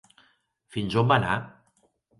Fins a on va anar?